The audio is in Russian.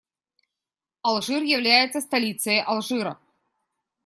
Алжир является столицей Алжира.